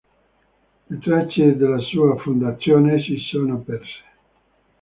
Le tracce della sua fondazione si sono perse.